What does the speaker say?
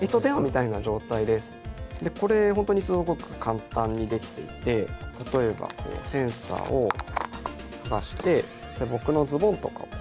これ本当にすごく簡単にできていて例えばセンサーを剥がして僕のズボンとかをこすると。